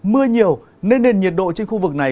mưa nhiều nên nền nhiệt độ trên khu vực này